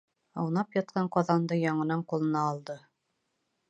Аунап ятҡан ҡаҙанды яңынан ҡулына алды.